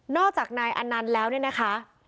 นอกจากนายอันนั้นแล้วเนี่ยนะคะ